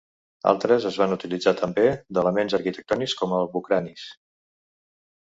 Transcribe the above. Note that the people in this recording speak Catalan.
Altres es van utilitzar també d'elements arquitectònics, com els bucranis.